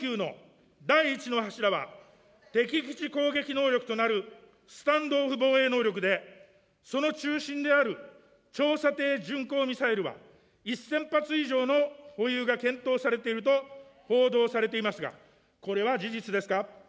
事項要求の第１の柱は、敵基地攻撃能力となるスタンド・オフ防衛能力で、その中心である長射程巡航ミサイルは１０００発以上の保有が検討されていると報道されていますが、これは事実ですか。